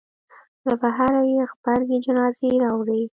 له بهره یې غبرګې جنازې راوړې.